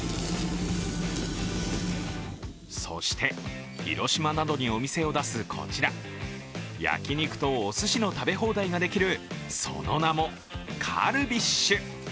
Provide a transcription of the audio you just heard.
そして、広島などにお店を出すこちら、焼き肉とおすしの食べ放題ができるその名も、カルビッシュ。